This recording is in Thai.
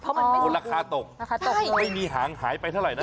เพราะมันไม่มีหางขายไปเท่าไหร่นะ